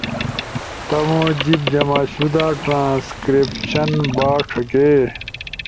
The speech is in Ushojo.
تمو جیِب جمع شدہ ٹرانسکریپشن با ݜکے